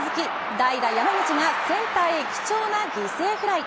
代打山口がセンターへ貴重な犠牲フライ。